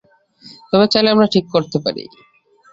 তবে চাইলে আমরা ঠিক করতে পারি।